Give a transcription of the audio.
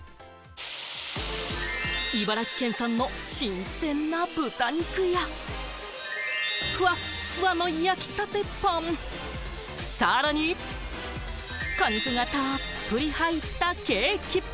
茨城県産の新鮮な豚肉や、ふわっふわの焼きたてパン、さらに、果肉がたっぷり入ったケーキ！